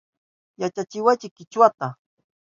Yachachiwaychi Kichwata